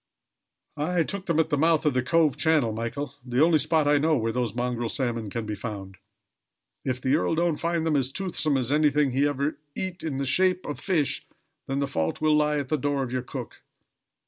"I took them at the mouth of the Cove channel, Michael, the only spot I know where those mongrel salmon can be found. If the earl don't find them as toothsome as anything he ever eat in the shape of fish, then the fault will lie at the door of your cook."